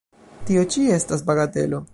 Tio ĉi estas bagatelo!